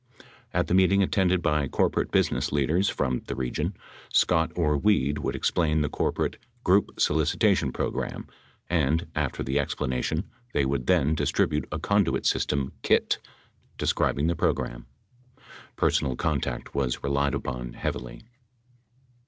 At the meeting attended by corporate business leaders from the region, Scott or Weed would explain the corporate group solicita tion program, and, after the explanation, they would then distribute a conduit system "kit," describing the program. Personal contact was relied upon heavily.